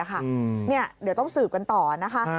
เดี๋ยวต้องสืบกันต่อนะคะ